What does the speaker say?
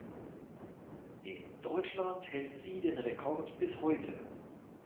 In Deutschland hält sie den Rekord bis heute.